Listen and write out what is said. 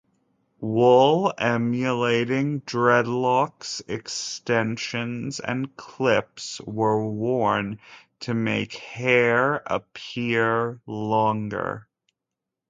Wool emulating dreadlocks, extensions, and clips were worn to make hair appear longer.